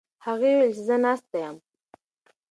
هغې وویل چې زه ناسته یم.